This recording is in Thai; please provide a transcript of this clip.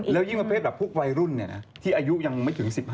แล้วยิ่งว่าเพศพวกวัยรุ่นเนี่ยนะที่อายุยังไม่ถึง๑๕เนี่ย